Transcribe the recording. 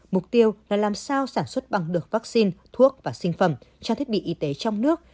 mục tiêu là làm sao sản xuất bằng được vaccine thuốc và sinh phẩm cho thiết bị y tế trong nước